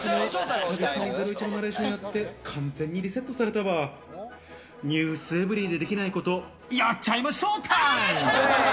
久々に『ゼロイチ』のナレーションやって完全にリセットされたわ、『ｎｅｗｓｅｖｅｒｙ．』でできないこと、やっちゃいまショータイム！